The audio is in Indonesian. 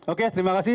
oke terima kasih